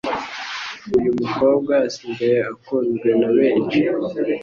uyu mukobwa asigaye akunzwe na benshi